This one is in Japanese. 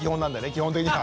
基本的には。